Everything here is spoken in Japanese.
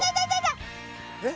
えっ？